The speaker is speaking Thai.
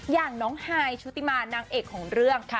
อย่างน้องฮายชุติมานางเอกของเรื่อง